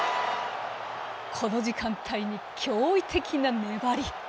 この時間帯に驚異的な粘り。